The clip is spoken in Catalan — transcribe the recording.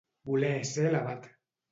Voler ser l'abat.